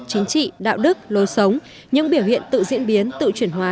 chính trị đạo đức lối sống những biểu hiện tự diễn biến tự chuyển hóa